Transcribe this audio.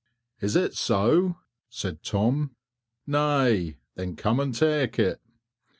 "Is it so?" said Tom, "nay, then come and take it."